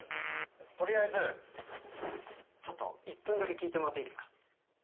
とりあえずちょっと１分だけ聞いてもらっていいですか？